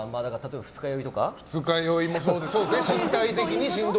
二日酔いもそうですし